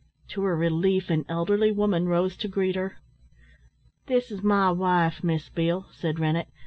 To her relief an elderly woman rose to greet her. "This is my wife, Miss Beale," said Rennett.